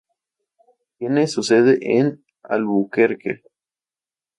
Tiene su sede en Albuquerque.